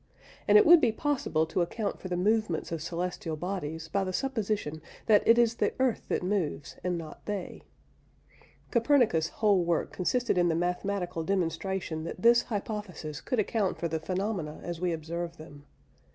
And it would be possible to account for the movements of celestial bodies by the supposition that it is the earth that moves, and not they. Copernicus' whole work consisted in the mathematical demonstration that this hypothesis could account for the phenomena as we observe them.